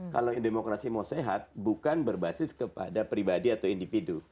kalau yang demokrasi mau sehat bukan berbasis kepada pribadi atau individu